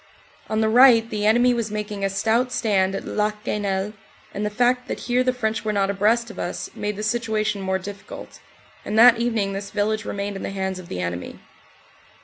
On the right the enemy was making a stout stand at Le Quesnel, and the fact that here the French were not abreast of us made the situation more difficult, and that evening this village remained in the hands of the enemy.